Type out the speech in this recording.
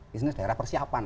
di sini daerah persiapan